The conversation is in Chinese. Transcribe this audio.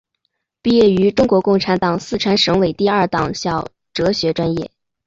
毕业于中国共产党四川省委第二党校哲学专业。